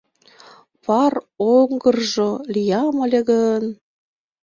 Пар оҥгыржо лиям ыле гын